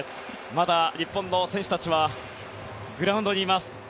まだ日本の選手たちはグラウンドにいます。